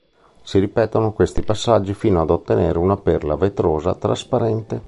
Si ripetono questi passaggi fino ad ottenere una perla vetrosa trasparente.